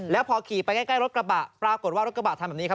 แล้วพอขี่ไปใกล้รถกระบะปรากฏว่ารถกระบะทำแบบนี้ครับ